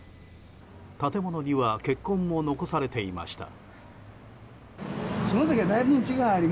建物には血痕も残されていました。